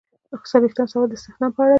څلویښتم سوال د استخدام په اړه دی.